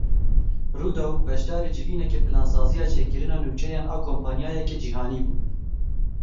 Rûdaw beşdarî civîneke plansaziya çêkirina nûçeyan a kompanyayeke cîhanî bû.